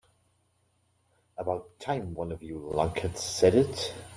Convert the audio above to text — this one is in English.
About time one of you lunkheads said it.